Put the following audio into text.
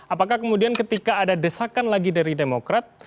apakah kemudian ketika ada desakan lagi dari demokrat